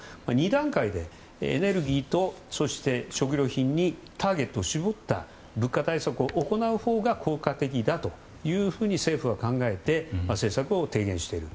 ２段階でエネルギーとそして食料品にターゲットを絞った物価対策を行うほうが効果的だというふうに政府は考えて政策を提言している。